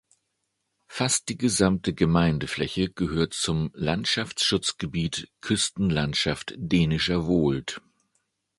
Fast die gesamte Gemeindefläche gehört zum „Landschaftsschutzgebiet Küstenlandschaft Dänischer Wohld“.